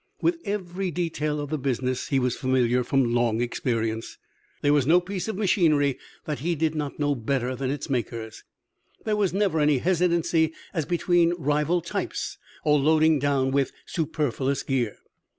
With every detail of the business he was familiar, from long experience. There was no piece of machinery that he did not know better than its makers. There was never any hesitancy as between rival types or loading down with superfluous gear.